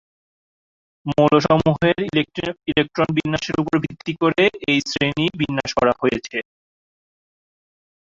মৌলসমূহের ইলেকট্রন বিন্যাসের উপর ভিত্তি করে এই শ্রেণী বিন্যাস করা হয়েছে।